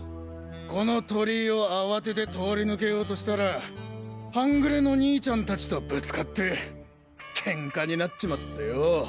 この鳥居を慌てて通り抜けようとしたら半グレの兄ちゃん達とぶつかってケンカになっちまってよォ。